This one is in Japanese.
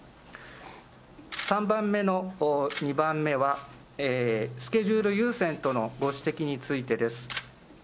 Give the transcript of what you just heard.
３番目の２番目は、スケジュール優先とのご指摘についてです。